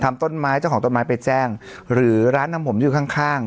ต้นไม้เจ้าของต้นไม้ไปแจ้งหรือร้านทำผมอยู่ข้างข้าง